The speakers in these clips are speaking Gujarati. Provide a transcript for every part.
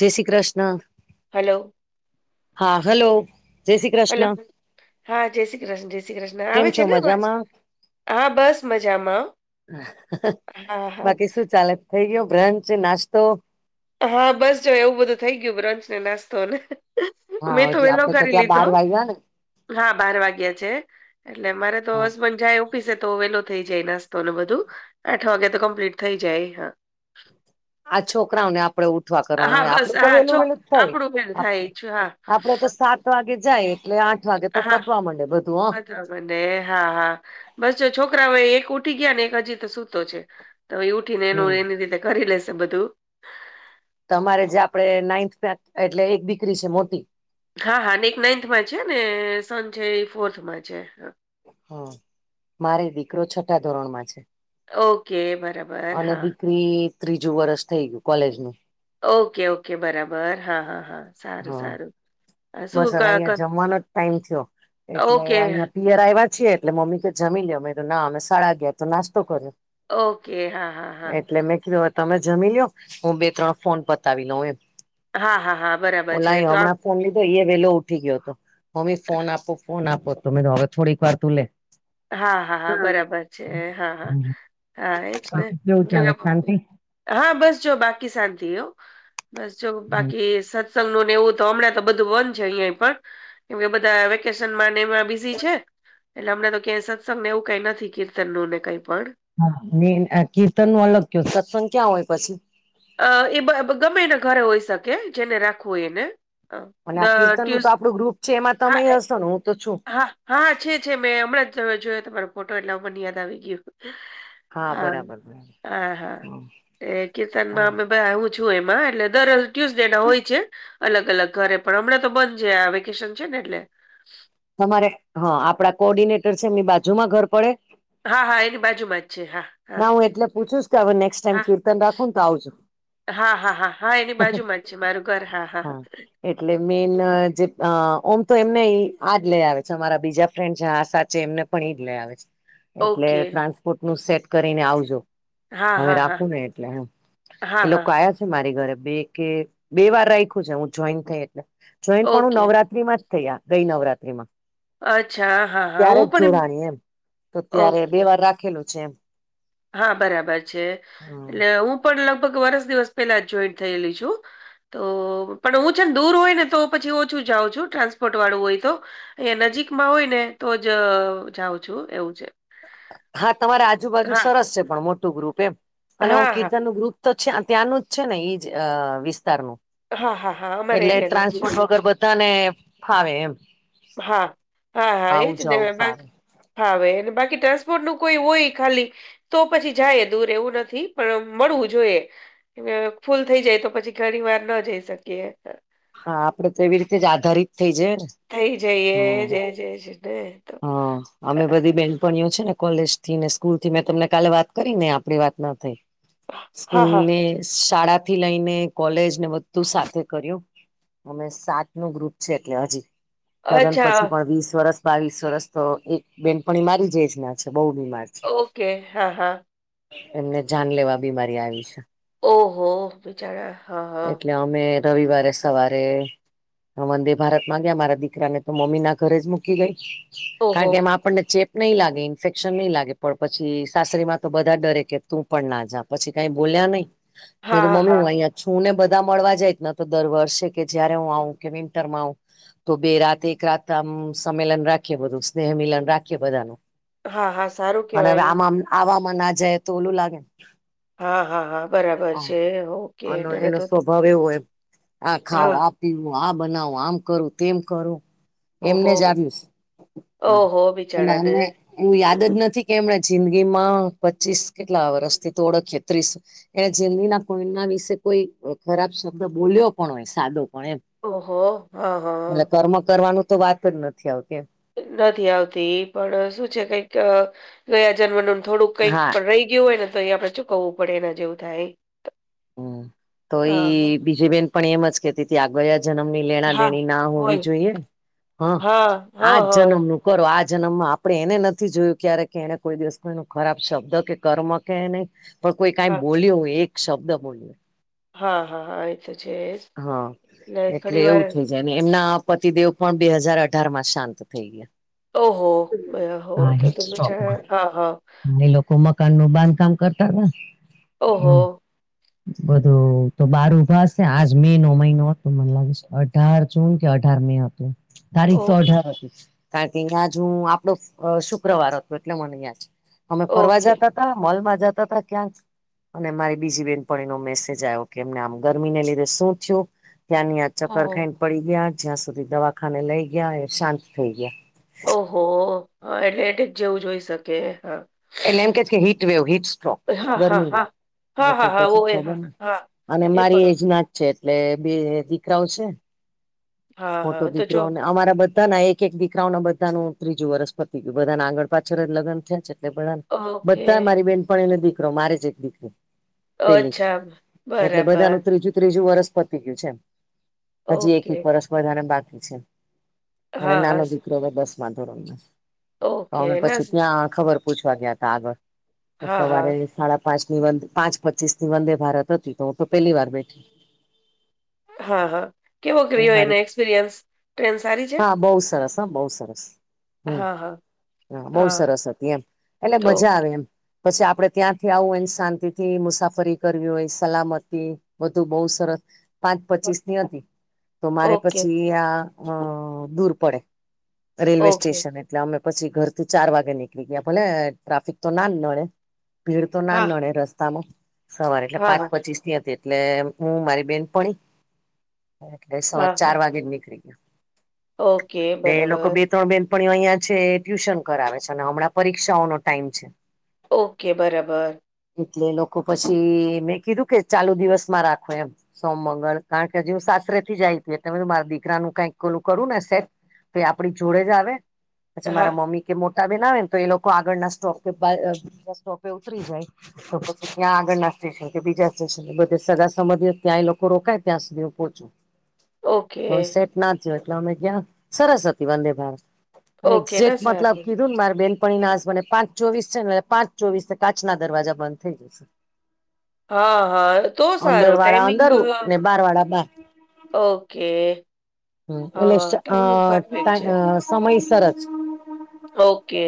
જય શ્રી કૃષ્ણ હલો હાં હલો જય શ્રી કૃષ્ણ હાં જય શ્રી કૃષ્ણ જય શ્રી કૃષ્ણ કેમ આવે છો છે ને અવાજ મજામાં હા બસ મજામાં હો હાં હાં બાકી શું ચાલે થઈ ગ્યો બ્રંચ નાસ્તો હાં બસ જો એવું બધું થઇ ગ્યું બ્રંચ ને નાસ્તો ને હા મેં તો હજી વેલો આપડે કરી ત્યાં લીધો બાર હો વાગ્યા ને હા બાર વાગ્યા છે એટલે મારે તો હા હસબન્ડ જાય એવું ઓફિસે તો વેલો થઈ જાય નાસ્તોને બધું આઠ વાગે તો કમ્પ્લીટ થઈ જાય હા. આ છોકરાઓને આપડે ઉ ઠવા હા કરવાનું હા હોય બસ આપડું તો હા વેલું ચોક વેલું જ થાય આપડું મેળ આપ થાય છે હા આપડે તો સા ત વાગે જાય એટલે આઠ વાગે તો પતવા માંડે બધું હ બને હા હા બસ જો છોકરા હવે એક ઉઠી ગયા ને એક હજી તો સુ તો છે, તો એ ઉઠી ને હ એનું હમ એની રીતે કરી લેશે બધું તમારે જે આપડે નાઈન્થ એટલે એક દીકરી છે, મોટી હા હા ને એક નાઈન્થમાં છે, ને સન છે, એ ફોર્થમાં છે. હા મારે દીકરો છથા ધોરણમાં છે. ઓકે બરા અને દીકરી ત્રીજું વર્ષ થઈ ગયું કોલેજનું ઓકે ઓકે બરાબર હા હા હા સારું હા સારું અ બસ શું હવે ક અહીંયા ક જમવાનો ટાઈમ થયો એટલે ઓકે, અહિયા પિયર આવ્યા છીએ એટલે મમ્મી કે જમી લ્યો મે ના અમે સાડા અગયાર તો નાસ્તો કર્યો ઓકે. હા, હા, હા. એટલે મેં કીધું તમે જમી લયો હું બે ત્રણ ફોન પતાવી લઉં એમ હા હા હા બરાબર છે, ઓલા તો આ [unintelligible] એ વેલો ઉઠી ગયો તો મમ્મી ફોન આપો ફોન આપો તો મે હવે થોડીક વાર તું લે હા હા હા બરાબર છે, હા હા હમ હા એજ ને કેવું ચાલે કેમકે શાંતિ હા બસ જો બાકી શાંતિ હો બસ જો બાકી સ સગનુ એવું તો હમણાં તો બધું બન છે, અયે પણ કેમ કે બધા વેકેશનમાં એમાં બીઝી છે, એટલે હમણા તો કે સત્સંગ ને એવું કાઈ નથી કીર્તનને કઈ પણ હા કીર્તન નું અલગ ક સત્સંગ ક્યાં હોય પછી અ એ ગમે એને ઘરે હોઈ શકે જેને રાખવું એને અ, અને આ દ- કીર્તન નું ટ્યુસ તો આપણું ગ્રુપ છે, એમાં તમે હા એ- હશો ને હું તો છું. હા હા છે છે મેં હમણાં જ જોયો તમારો ફોટો એટલા મને યાદ આવી ગયુ હા બરાબર બરાબર હા હા એ હા વેકેશનમાં અમે માં આવું છું એમાં એટલે દર અલ્ટુયસ ડે ના હોય છે. અલગ અલગ ઘરે પણ હમણાં તો બંધ જ આ વેકેશન છે ને એટલે તમારે હા આપડા કોર્ડિનેટર છે એમની બાજુમાં ઘર પડે હા હા એની બાજુ માં છે હા હા ના હું એટલે પૂછું કે હવે નેક્સ્ટ ટાઈમ હા. કીર્તન રાખું ને તો આવજો હા-હા-હા-હા એની બાજુમાં જ છે મારું ઘર હા-હા. હા એટલે મેન જે અ ઓમ તો એમને અહીં આજ લઈ આવે છે અમારા બીજા ફ્રેન્ડ જ આ સાચ એમને પણ એઈજ લઈ આવે છે હા એટલે તા બૂટ નું સેટ કરીને આવજો હા હવે હા હા રાખું ને એટલે હા એ હા લોકો આયા મારી ઘરે બે કે બે વાર રાખ્યું છે હું જોઈન થઈ એટલે જોઈન પણ હું ઓકે. નવરાત્રી માં થયા ગઈ નવરાત્રી માં અચ્છા, હા, હા. ત્યારે હું જ પણ જોડાણી એમ તો ત્યારે બે ઓકે. વાર રાખેલું છે એમ. હા બરાબર છે હમ એટલે હું પણ લગભગ વરસ દિવસ પેલા જોઈન થયેલી છું. તો પણ હું છે ને દૂર હોય ને તો પછી ઓછું જાઉં છું ટ્રાન્સપોર્ટ વાળું હોય તો એ નજીકમાં હોય ને તો જ જાઉં છું એવું છે. હા તમારે આજુબાજુ હા. સરસ છે પણ મોટું ગ્રુપ એમ અને હું હા, હા. કીર્તન નું ગ્રુપ તો છે ત્યાંનું જ છે ને એઈ જ વિસ્તારનું હા, હા, હા. અમારા એટલે એરિયાનો જ છે. ટ્રાન્સપોર્ટ વગર બધાને ફાવે એમ હા હા હા આવું એજ ને જવું ફાવે બાકી હવે બાકી ટ્રાન્સપોર્ટ નું કોઈ હોઈ ખાલી તો પછી જાય દૂર એવું નથી પણ મળવું જોઈએ. ફૂલ થઈ જાય તો પછી ઘણી વાર ન જઈ શકીએ. હા આપડે તો એવી રીતે જ આધારિત થઈ જાય ને થઈ જઈએ હમ જયય છે ને તો હા અમે બધી બે છે ને કોલેજ થી ને સ્કૂલ થી મેં તમને કાલે વાત કરી ને આપડી વાત ના થઈ. હા સ્કૂલ હા ને શાળા થી લઈને કોલેજ ને બધું સાથે કર્યું અમે સાત નો ગ્રુપ છે એટલે હજી લગ્ન અચ્છા પછી પણ વીસ વરસ બાવીસ રસ તો એક બેનપણી મારી જ જ ના છે બહુ બીમાર છે. ઓકે હા હા. એમને જાન લેવા બીમારી આવી છે. ઓહો. બિચારા હા હા. એટલે અમે રવિવારે સવારે હ વંદે ભારત માં ગયા મારા દીકરાને તો મમ્મી ના ઘરે જ મૂકી ગઈ ઓહો કારણ કે એમાં આપણને ચેપ નઈ લાગે ઇન્ફેક્શન નહી લાગે પણ પછી સાસરી માં તો બધા ડરે કે તું પણ ના જા પછી કઈ બોલ્યા નહી. મે તો હા મમ્મી હા હું અયા છું ને બધા મળવા જાય જ તો દર વર્ષે કે જયારે હું આવું કે વિન્ટરમાં આવ તો બે રાતે એક રાતમ સંમેલન રાખીએ બધું સ્નેહમિલન રાખીએ બધાનું. હા હા સારું અને હવે કેવાય આમાં આવામાં ના જાય તો ઓલું લાગે હા-હા-હા બરાબર હા, છે હો. અને એનો સ્વભાવ એવો હોય આ ખાવ હા આ પી આ બનાવો આમ કરું તેમ કરો. એમને ઓહો જ આવ્યું ઓહો એ બિચારાને અમે એ યાદ જ નથી કે એમણે જિંદગીમાં પચીસ કેટલા વરસથી તો ઓળખીએ ત્રીસ એ જિંદનીના કોઈના વિશે કોઈ ખરાબ શબ્દ બોલ્યો પણ હોય સાદો પણ એમ- - ઓહો હા એટલે હા કર્મ કરવાનું તો વાત જ નથી આવતી. નથી આવતી પણ શું છે કઈક ગયા જન્મનું થોડુંક કંઈક હા પણ રહી રહી ગયું હોય ને તો અયા આપડે ચુકવવું પડે એના જેવું થાય. હમ્મ તો હા. ઈ બીજી બેનપણી એમ જ કેતી હતી આ ગયા જન્મની લેણા હા દેણી ના હોવી હોય. જોઈએ હા હા આજ હા જન્મનું- - કરો આ જન્મમાં આપણે એને નથી જોયું ક્યારે કે એને કોઈ દિવસ એ ખરાબ શબ્દ કે કર્મ કે એને- - પણ કોઈ કઈ હા બોલ્યું હોય એક શબ્દ બોલ્યો- - હા હા હા એ તો છે હા એટલે ઘણી વાર. એવું થઈ ને એમના પતિદેવ પણ બે હાજાર અઢાર માં શાંત થઈ ગયા. ઓહો હો હા તો તમે સોકમાં હા હા લોકો- - તો મકાન નું બાંધકામ કરતા હતા. ઓહો. બધું તો બાર ભાશે આજ મે નો મહિનો મને લાગે છે અઢાર - - જૂન કે અઢાર મે હતું ઓ તારીખ તો અઢાર હત- - કારણ કે અહીં જ હું આપડો શુક્રવાર હતો એટલે મને અહં જ અમે ફરવા ઓકે જતા- - મોલમાં જતા તા ક્યાંક અને મારી બીજી બેન- - ન મેસેજ આવ્યો કે એમને આમ ગરમીને લીધે શું થયું ત્યાંની આ ચક્કર ઓહો ખાંડ- - પડી ગયા જ્યાં સુધી દવાખાને લઈ ગયા એ શાંત થઈ ગયા. ઓહો એટલે એટકે જેવું હોઈ શકે હા એટલે એમ કે કે હીટ વેવ હિટ સ્ટ્રોક હા હા ગરમી ન- હા - હા હવે હા કઈ હા કછી ઓય ખબર હા હા ના અને એ મારી પણ એજ ના- - છે એટલે બે દીકરાઓ છે હા મોટો હા તો જો દીકરોને- - અમારા બધાના એક એક દીકરાઓના બધાનું ત્રીજું વરસ પતી ગયું બધાના આગળ પાછળ જ લગ્ન થયા છે. ને પણ આ બધા ઓકે મારી બેનપણી ને દીકરો મારે જ એક દીકરી- - પેલી અચ્છા, એટલે બધાનું બરાબર. ત્રીજું ત્રીજું વરસ પ- - ગયું હજી એક એક ઓકે. વરષ બધા ને બાકી છે મ હા, હા. નાનો સ દીક બસ માં ધોરમે ઓકે. ના પછી સ ત્યાં ખબર પૂછવા ગયા ત આગળ તો હા, સવારે હા. સાડા પાંચ ની વ પાંચ પચીસ ની વંદે ભારત હતી તો તો પેલી વાર બેઠી હા હા કેવો અને ક્રયો એને મારી એક્સપિરિયન્સ ટ્રેન સારી છે હા બહુ સરસ હા બહુ સરસ હમ હા, હા. હા બહુ સરસ હતી એમ એટલે ઓ મજા એમ પછી આપડે ત્યાંથી આવું હોયને શાંતિ થી મુસાફરી કરવી હોય સલામતી બધું બઉુ સરસ પાંચ પચીસ ની હતી તો મારે ઓકે, પછી આ દૂર પડે રેલવે ઓકે. સ્ટેશન એટલે અમે પછી ઘરથી ચાર વાગે નીકળી ગયા ભલે ટ્રાફિક તો ના નડે ભીડ તો ના હા, નડે રસ્તામાં સવારે એટલે હા, પાંચ હા. પચીસ ની હતી એટલે હું મારી બેનપણી એટલે સવાર હા, ચાર હા. વાગે નીકળી ઓકે, ગયા એ એ લોકો બરાબર. બે ત્રણ બેન પણ અહિયાં છે ટ્યુશન કરાવે છે અને હમણાં પરીક્ષાઓનોો ટાઈમ છે ઓકે બરાબર એટલે લોકો પછી મેં કીધું કે ચાલુ દિવસમાં રાખો એમ સોમ મંગળ કારણ કે હ જે હું સાસરે થી જાયતી ત મારા દીકરા ન કઈક ઓલું કરું ને સેટ તો આપડી જોડે જ આવે પછી મારા હા, મમ્મી કે મોટા બનાવે તો એ લોકો આગળના સ્ટોપ બીજા સ્ટોપે ઉતરી જાય તો પછી ત્યાં આગળના સ્ટેશન કે બીજા સ્ટેશન બધે સગા સમંધી ત્યાં એ લોકો રકાય ત્યાં સુધી હું પહોંચું ઓકે. હ સેટ ના થયો એટલે અમે ગયાં સરસ હતી વંદે ભારત ઓકે, ના એક્ઝેક્ટ મતલબ સારું. કીધું ને મારે બેન ણી ના પાંચ ચોવીસ છે ને પાંચ ચોવીસ કાચ ના દરવાજા બંધ થઈ જશે હા હા તો અંદર સારું વાળા ટાઈમિંગ અંદર ને બાર વાળા ઓકે. હમ એટલે હા, ટાઈમિંગ ટ પરફેક્ટ છે. સમય સરસ ઓકે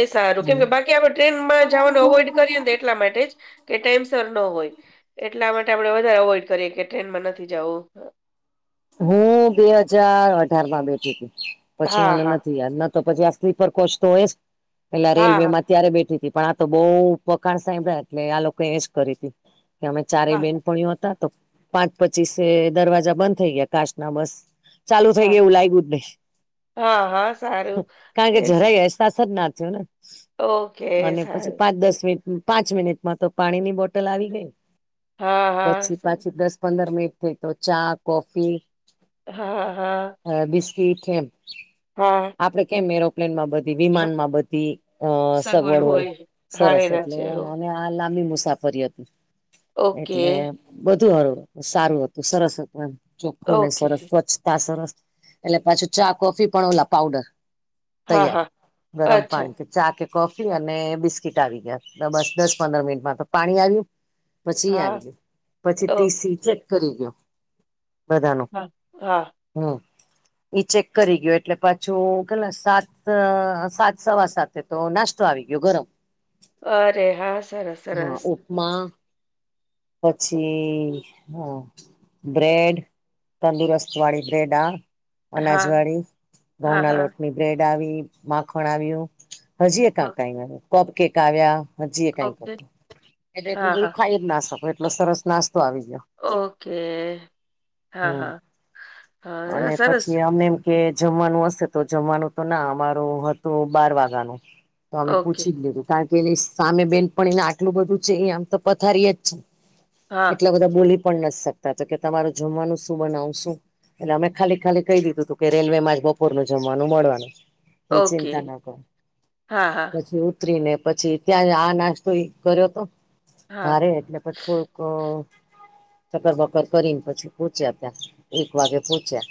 એ સારું કેમકે બાકી આપડ ટ્રેનમાં જવાનું અવોઈડ કરીએ ને એટલા માટે જ કે ટાઈમ સર ન હોય એટલા માટે આપડે વધારે અવોઈડ કરીએ કે ટ્રેનમાં નથી જવું હું બે હજાર અઢારમાં બેઠી હતી પછી હા મને હા નથી યાદ ન તો પછી આ સ્લીપર કોચ તો હોય પેલા હા હા રેલવેમાં ત્યારે બેઠી તી પણ આ તો બો વખાણ સાંભળ્યા એટલે આ લોકો એજ કરી તી કે અમે હા ચારેય બેન પણીઓ હતા તો પાંચ પચીસે દરવાજા બંધ થઈ ગયા કાચના બસ ચાલુ થઈ હા ગયુ એવું લાગ્યું જ નહી હા હા સારું કારણ કે એજ જરાય પાસા જ ના થ્યો ને ઓકે અને પછી સારું પાંચ દસ મિનિટ પાંચ મિનિટ માં તો પાણીની બોટલ આવી ગઈ હા હા પછી સારું. પાછી દસ પંદર મિનિટ તો ચા કોફી હા હા. હ બિસ્કીટ એમ હા. આપડ કેમ એરોપ્લેનમાં બ વિમાનમા બધી અ સગવડ હોય હા સરસ એના એટલે જેવું અમે આ લાંબી મુસાફરી હતી ઓકે એટલે બધું હરુ સારું હતું સરસ હતું એમ હુ ને ઓકે સરસ સ્વચ્છતા સરસ એટલે પાછું ચા કોફી પણ ઓલા પાવડર હા તૈયાર હા ગરમ અચ્છા પાણી કે ચા કે કોફી અને બિસ્કીટ આવી ગયા બસ દસ પંદર મિનિટમાં તો પાણી આવ્યું પછી હા આવી ગયો પછી ઓ પીસી ચેક કરી ગયો બધાનું હા હા હમ ઈ ચેક કરી ગયો એટલે પાછું કેલા સાત સાત સવા સાતે તો નાસ્તો આવી ગીયો ગરમ અરે હા સરસ સરસ. મા પછી હા બ્રેડ તંદુરસ્ત વાળી બ્રેડ આ અનાજ હા વાળી હા ઘઉંના હા લોટની બ્રેડ આવી, માખણ આવ્યું હજી કાય કપકેક આવ્યા હાજી એ કઈ ઓકે. હતી એટલે એટલું હા, બધું હા. ખાઈ જ ના શકો એટલો સરસ નાસ્તો આવી ગયો. ઓકે હા હમ હા. હા, અને સરસ. પછી અમે કે જમવાનું હશે તો જમવાનું તો ના અમારું હતું બાર વાગ્યાનું. તો અમે ઓકે. પૂછી જ લીધું કારણ કે એ સામે બેનપણી એને આટલું બધું છે એ આમ તો પથારી યે જ છે. હા, એટલા બધા બોલી પણ નથ શકતા તો કે તમારું જમવાનું શું બનાવશું? એટલે અમે ખાલી ખાલી કહી દીધું તું કે રેલવે માં જ બપોરનું જમવાનું મળવાનું. એ ચિંતા ઓકે. ના કર હા, હા. પછી ઉતરીને પછી ત્યાં આ નાસ્તો એ કર્યો તો હા, ભારે એટલે પ થોક ચકરબકર કરીને પછી પૂચ્યા ત્યાં. એક વાગે પોચ્યા.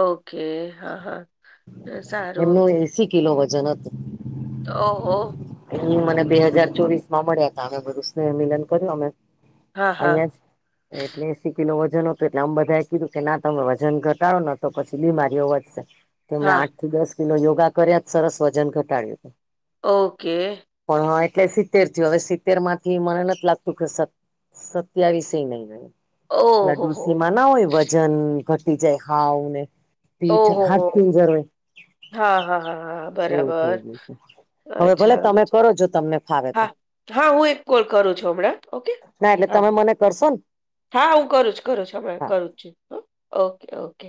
ઓકે હા હા તે સારું. એમનું એસી કિલો વજન હતું તો હો એ મને બે હાજાર ચોવીસ માં મળ્યા તા અમે બધું સ્નેહમિલન કર્યું અમે હા, હા. અહિયાં જ એટલે એસી કિલો વજન હતું એટલે અમ બધાએ કીધું કે ના તમે વજન ઘટાડો ન તો પછી બીમારીઓ વધશે તો મેં આ હા, દસ કિલો યોગા કર્યા તા સરસ વજન ઘટાડ્યું તું. ઓકે. પણ હા એટલે સિત્તેર થયું હવે સિત્તેર માંથી મને નથ લાગતું કે સત સત્યાવીસ એ નય રય પેલા ઓહોહો! ડોસીમાં ના હોય વજન ઘટી જાય હાવ ને પીથલ ઓહોહો! હાડપિંજર હોય હા હા હા હા એવું થઈ બરાબર. ગયું છે હવે ભલે અચ્છા આવે તમે છે કરો જો તમને ફાવે તો હા હા હું એક કોલ કરું છું હમણાં ઓકે. ના એટલે હા, તમે હા. મને કરશો ને હા હું કરું છું કરું છું આપે હા કરું છું. હો. Okay okay.